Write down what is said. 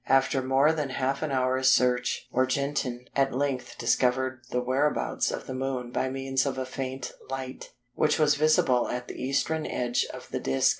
After more than half an hour's search, Wargentin at length discovered the whereabouts of the Moon by means of a faint light, which was visible at the Eastern edge of the disc.